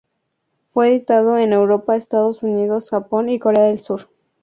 Fue editado en Europa, Estados Unidos, Japón y Corea del Sur.